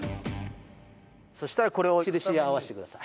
そしたらこれを印に合わせてください。